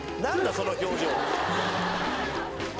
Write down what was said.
その表情。